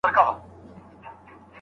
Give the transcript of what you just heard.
صالحه ميرمن د اولادونو سمه روزنه کوي.